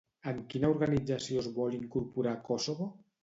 En quina organització es vol incorporar Kosovo?